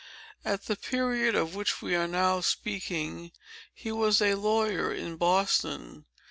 "At the period of which we are now speaking, he was a lawyer in Boston.